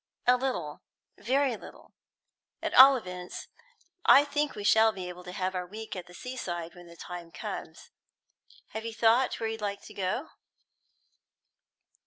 "A little; very little. At all events, I think we shall be able to have our week at the seaside when the time comes. Have you thought where you'd like to go to?"